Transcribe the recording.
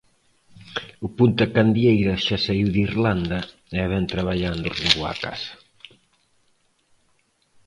O Punta Candieira xa saíu de Irlanda e vén traballando rumbo á casa.